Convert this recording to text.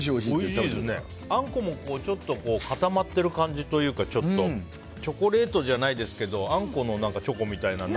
あんこも、ちょっと固まってる感じというかチョコレートじゃないですけどあんこのチョコみたいなのが。